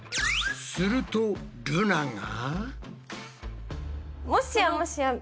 するとルナが。